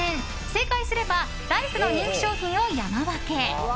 正解すればライフの人気商品を山分け。